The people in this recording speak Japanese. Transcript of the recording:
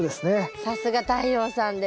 さすが太陽さんです。